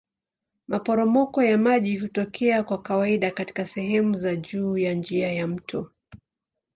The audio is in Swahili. Maporomoko ya maji hutokea kwa kawaida katika sehemu za juu ya njia ya mto.